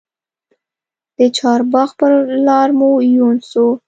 د چارباغ پر لار مو یون سو